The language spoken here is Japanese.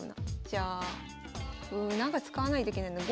じゃあうんなんか使わないといけないんだ。